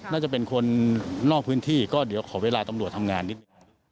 น่าจะเป็นคนนอกพื้นที่ก็เดี๋ยวขอเวลาตำรวจทำงานนิดหนึ่ง